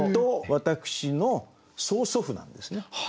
私の曽祖父なんですね。